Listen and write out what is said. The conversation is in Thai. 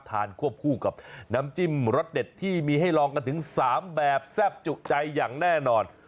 ควบคู่กับน้ำจิ้มรสเด็ดที่มีให้ลองกันถึง๓แบบแซ่บจุใจอย่างแน่นอน